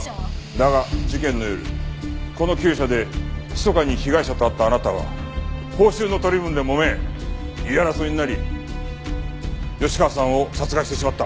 だが事件の夜この厩舎でひそかに被害者と会ったあなたは報酬の取り分でもめ言い争いになり吉川さんを殺害してしまった。